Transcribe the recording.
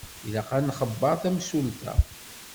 Ilaq ad nxebber tamsulta.